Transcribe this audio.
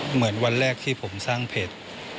เหมือนวันแรกที่ผมสร้างเพจ